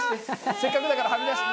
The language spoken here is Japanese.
せっかくだからはみ出して。